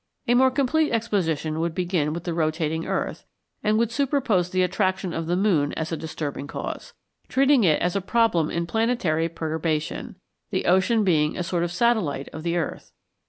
A more complete exposition would begin with the rotating earth, and would superpose the attraction of the moon as a disturbing cause, treating it as a problem in planetary perturbation, the ocean being a sort of satellite of the earth.